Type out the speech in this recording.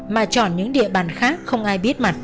mà chọn những địa bàn khác không ai biết mặt